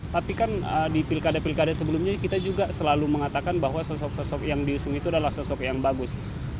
tapi kan di pilkada pilkada sebelumnya kita juga selalu mengatakan bahwa sosok sosok yang diusung itu adalah sosok yang bagus